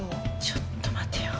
ちょっと待てよ。